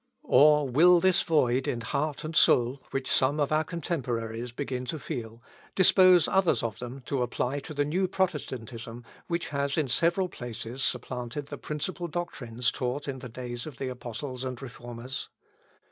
Or will this void in heart and soul, which some of our contemporaries begin to feel, dispose others of them to apply to the new Protestantism which has in several places supplanted the principal doctrines taught in the days of the Apostles and Reformers?